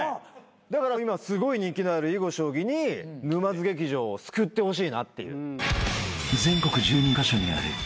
だから今すごい人気のある囲碁将棋に沼津劇場を救ってほしいなっていう。